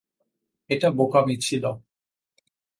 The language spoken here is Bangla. এটা বোকামি ছিল।